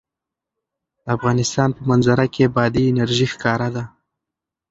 د افغانستان په منظره کې بادي انرژي ښکاره ده.